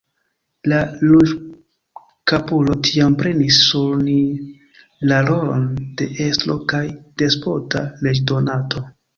La ruĝkapulo tiam prenis sur sin la rolon de estro kaj despota leĝdonanto.